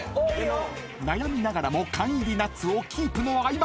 ［悩みながらも缶入りナッツをキープの相葉君］